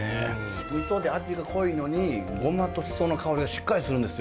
みそで味が濃いのにゴマとシソの香りがしっかりするんですよ。